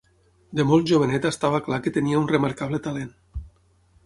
De molt jovenet estava clar que tenia un remarcable talent.